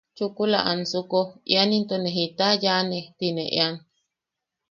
Chukula ansuko ¿ian into ne jita yaane? ti ne ean.